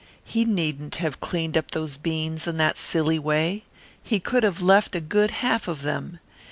He needn't have cleaned up those beans in that silly way. He could have left a good half of them.